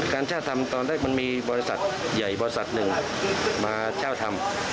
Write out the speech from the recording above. เช่าทำตอนแรกมันมีบริษัทใหญ่บริษัทหนึ่งมาเช่าทำ